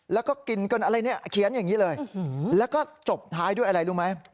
แล้วก็เขียนอย่างนี้เลยแล้วก็จบท้ายด้วยอะไรรู้ไหม